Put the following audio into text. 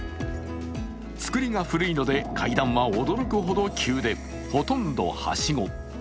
作りが古いので階段は驚くほど急で、ほとんどはしご。